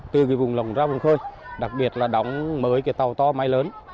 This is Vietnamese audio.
từ vùng lồng ra vùng khơi đặc biệt là đóng mới tàu to mai lớn